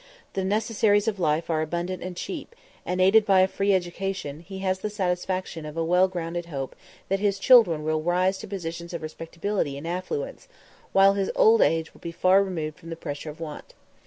The necessaries of life are abundant and cheap, and, aided by a free education, he has the satisfaction of a well grounded hope that his children will rise to positions of respectability and affluence, while his old age will be far removed from the pressure of want.